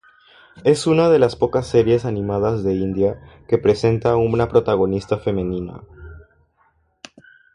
Es una de las pocas series animadas de India que presenta una protagonista femenina.